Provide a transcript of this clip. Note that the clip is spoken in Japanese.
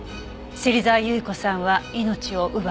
芹沢結子さんは命を奪われた。